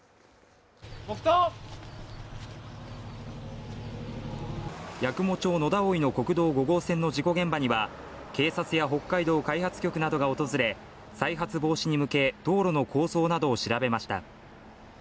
黙とう八雲町野田生の国道５号線の事故現場には警察や北海道開発局などが訪れ、再発防止に向け、道路の構想などを調べました。